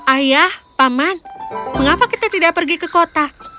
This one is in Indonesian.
ayah paman mengapa kita tidak pergi ke kota